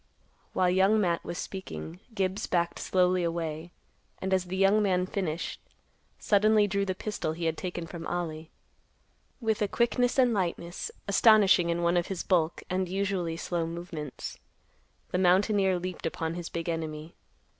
While Young Matt was speaking, Gibbs backed slowly away, and, as the young man finished, suddenly drew the pistol he had taken from Ollie. With a quickness and lightness astonishing in one of his bulk and usually slow movements, the mountaineer leaped upon his big enemy.